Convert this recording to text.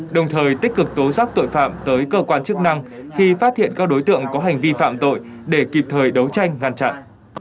đồng thời tích cực tố giác tội phạm tới cơ quan chức năng khi phát hiện các đối tượng có hành vi phạm tội để kịp thời đấu tranh ngăn chặn